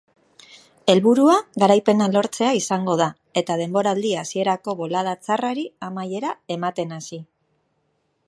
Helburua garaipena lortzea izango da eta denboraldi hasierako bolada txarrari amaiera ematen hasi.